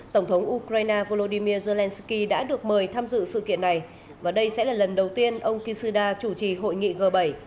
tổng thống ukraine volodymyr zelensky đã được mời tham dự sự kiện này và đây sẽ là lần đầu tiên ông kishida chủ trì hội nghị g bảy